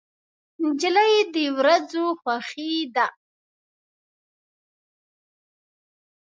نجلۍ د ورځو خوښي ده.